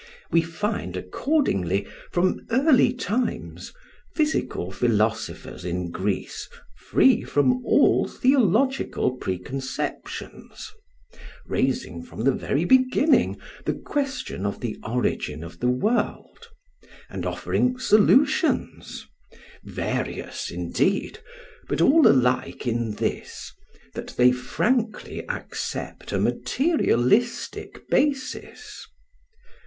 We find accordingly, from early times, physical philosophers in Greece free from all theological preconceptions, raising from the very beginning the question of the origin of the world, and offering solutions, various indeed but all alike in this, that they frankly accept a materialistic basis.